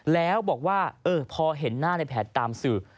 แล้วบอกว่าพอเห็นหน้าในแผนตามสื่อ